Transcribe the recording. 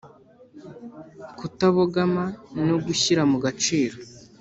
kutabogama no gushyira mu gaciro